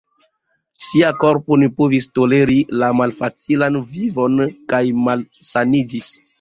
Sia korpo ne povis toleri la malfacilan vivon kaj malsaniĝis.